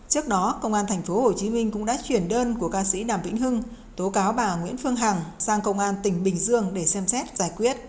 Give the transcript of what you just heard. trước đó công an tp hcm cũng đã chuyển đơn của ca sĩ đàm vĩnh hưng tố cáo bà nguyễn phương hằng sang công an tỉnh bình dương để xem xét giải quyết